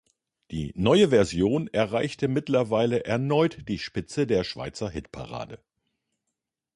Die neue Version erreichte mittlerweile erneut die Spitze der Schweizer Hitparade.